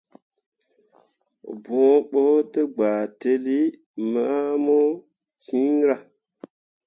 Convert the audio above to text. Bõo ɓo te ba teli mamu ciira.